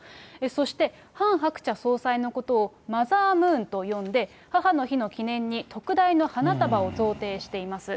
そしてハン・ハクチャ総裁のことを、マザー・ムーンと呼んで、母の日の記念に特大の花束を贈呈しています。